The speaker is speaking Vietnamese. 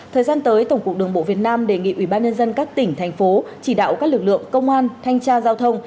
thời gian tới tổng cục đường bộ việt nam đề nghị ubnd các tỉnh thành phố chỉ đạo các lực lượng công an thanh tra giao thông